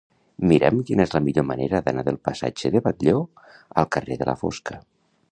Mira'm quina és la millor manera d'anar del passatge de Batlló al carrer de la Fosca.